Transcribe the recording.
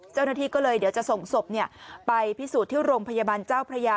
เจ้าหน้าที่ก็เลยเดี๋ยวจะส่งศพไปพิสูจน์ที่โรงพยาบาลเจ้าพระยา